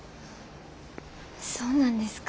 そうなんですか。